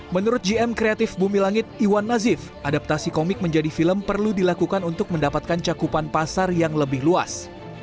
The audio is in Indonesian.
menurut gm kreatif bumi langit iwan nazif adaptasi komik menjadi film perlu dilakukan untuk mendapatkan cakupan pasar yang lebih luas